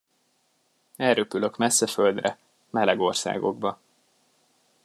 Elröpülök messze földre, meleg országokba.